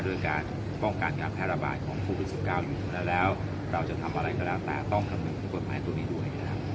ด้วยการป้องกัดการแพลราบายของโควิด๑๙อยู่แล้วเราจะทำอะไรก็แล้วแต่ต้องคำนึกให้กฎหมายตัวนี้ด้วย